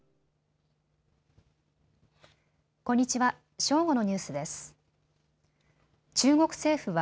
こんにちは。